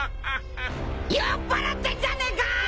酔っぱらってんじゃねえか！